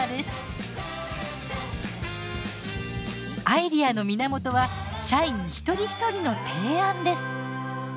アイデアの源は社員一人一人の提案です。